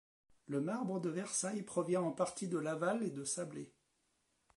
Le marbre de Versailles provient en partie de Laval et de Sablé.